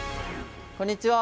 こんにちは。